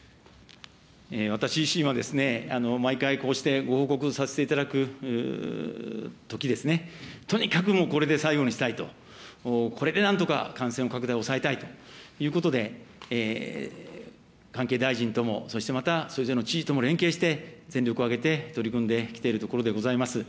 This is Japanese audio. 私自身は、毎回こうしてご報告させていただくとき、とにかく、もうこれで最後にしたいと、これでなんとか感染の拡大を抑えたいということで、関係大臣とも、そしてまたそれぞれの知事とも連携して、全力を挙げて取り組んできているところでございます。